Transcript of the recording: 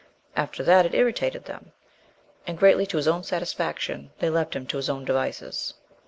After that, it irritated them, and, greatly to his own satisfaction, they left him to his own devices.